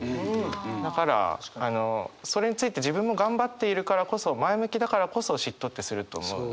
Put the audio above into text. だからそれについて自分も頑張っているからこそ前向きだからこそ嫉妬ってすると思うんで。